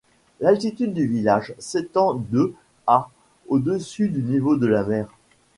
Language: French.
L'altitude du village s'étend de à au-dessus du niveau de la mer.